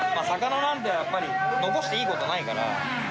魚なんてやっぱり残していいことないから。